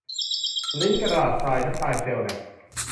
ลิ้นกระดาษทราย น้ำลายเชลแล็ก